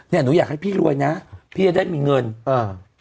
หนูอยากให้พี่รวยนะพี่จะได้มีเงินอ่า